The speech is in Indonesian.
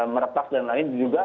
merepas dan lain lain juga